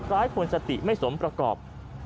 คล้ายคนสติไม่สมประกอบ